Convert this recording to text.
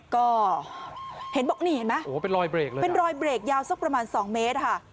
ก็เห็นบอกนี่เห็นไหมเป็นรอยเบรกยาวสักประมาณ๒เมตร